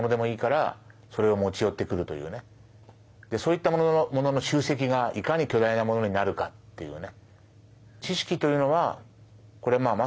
そういったものの集積がいかに巨大なものになるかっていうね。